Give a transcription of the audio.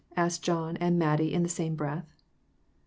asked John and Mattie in the same breath.